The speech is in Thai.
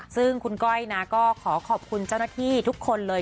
ซึ่งคุณก้อยนะก็ขอขอบคุณเจ้าหน้าที่ทุกคนเลย